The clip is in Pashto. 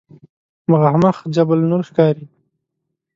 مخامخ جبل نور ښکاري.